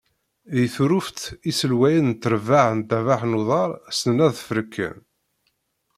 Di Turuft, iselwayen n trebbaɛ n ddabex n uḍar ssnen ad sfreken.